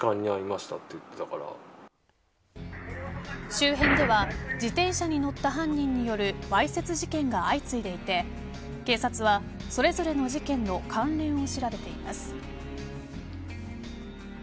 周辺では自転車に乗った犯人によるわいせつ事件が相次いでいて警察は、それぞれの事件の関連を調べています。